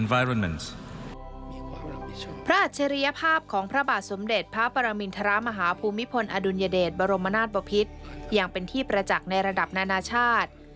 อัจฉริยภาพของพระบาทสมเด็จพระปรมินทรมาฮภูมิพลอดุลยเดชบรมนาศบพิษยังเป็นที่ประจักษ์ในระดับนานาชาติ